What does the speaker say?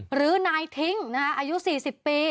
หรือนายทิ้งอายุ๔๐ปี